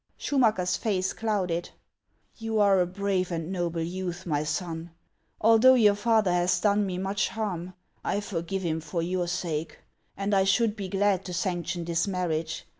Schumacker's face clouded :" You are a brave and noble youth, my son. Although your father has done me much harm, I forgive him for your sake ; and I should be glad to sanction this marriage.